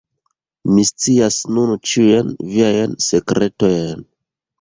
Mi scias nun ĉiujn viajn sekretojn.